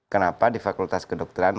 kenapa di fakultas kedokteran